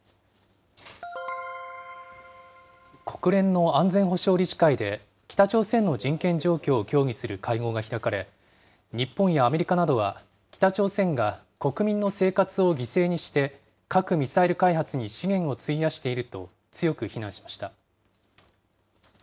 国連の安全保障理事会で、北朝鮮の人権状況を協議する会合が開かれ、日本やアメリカなどは、北朝鮮が国民の生活を犠牲にして、核・ミサイル開発に資源を費やしていると強く非難しました。